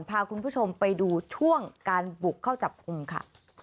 พาคุณผู้ชมไปดูช่วงการบุกเข้าจับกลุ่มค่ะ